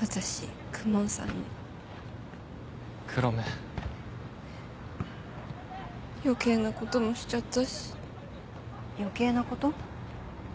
私公文さんに黒目余計なこともしちゃったし余計なこと？